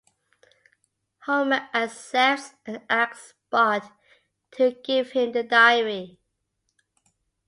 Homer accepts, and asks Bart to give him the diary.